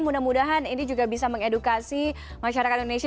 mudah mudahan ini juga bisa mengedukasi masyarakat indonesia